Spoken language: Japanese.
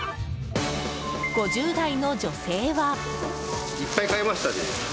５０代の女性は。